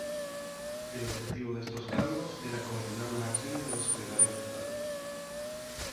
El objetivo de estos cargos era coordinar las acciones de los secretarios de Estado.